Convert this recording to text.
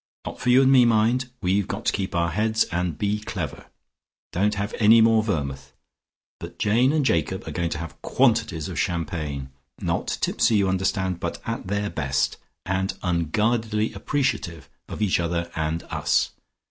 Not for you and me, mind; we've got to keep our heads and be clever. Don't have any more vermouth. But Jane and Jacob are going to have quantities of champagne. Not tipsy, you understand, but at their best, and unguardedly appreciative of each other and us.